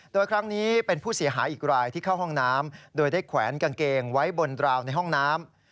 โดยครั้งนี้เป็นผู้เสียหายอีกรายที่เข้าห้องน้ำโดยได้แขวนกางเกงไว้บนราวในห้องน้ำ